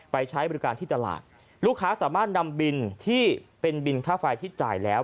ใช้บริการที่ตลาดลูกค้าสามารถนำบินที่เป็นบินค่าไฟที่จ่ายแล้ว